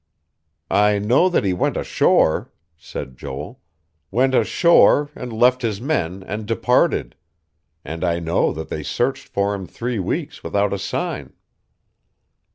"I know that he went ashore," said Joel. "Went ashore, and left his men, and departed; and I know that they searched for him three weeks without a sign."